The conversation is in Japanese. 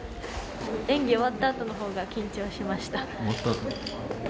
演技が終わった後の方が緊張しました。